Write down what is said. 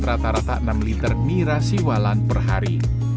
rata rata enam liter nira siwalan per hari